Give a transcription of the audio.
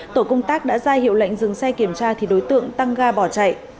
tổ công tác đã ra hiệu lệnh dừng xe kiểm tra thì đối tượng tăng ga bỏ chạy